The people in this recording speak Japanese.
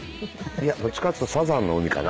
いやどっちかっつうとサザンの海かな